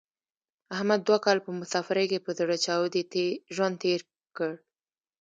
احمد دوه کاله په مسافرۍ کې په زړه چاودې ژوند تېر کړ.